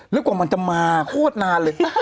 แล้วกว่ามันจะมาโคตรนานเลยสุดท้าย